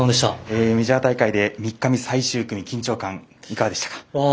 メジャー大会で３日目、最終組緊張感、いかがでしたか。